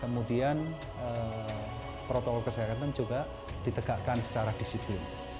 kemudian sukses kemudian protokol kesehatan juga ditegakkan secara disiplin